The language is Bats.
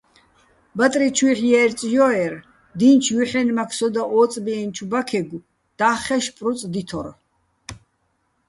ბატრი ჩუჲჰ̦ ჲერწჲო́ერ, დი́ნჩო̆ ჲუჰ̦ენმაქ სოდა ო́წბიენჩო̆ ბაქეგო̆ და́ხხეშ პრუწ დითორ.